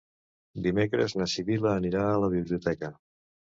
Dimecres na Sibil·la anirà a la biblioteca.